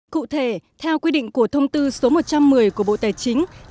cụ thể theo quy định của thông tư số một trăm một mươi của bộ tài chính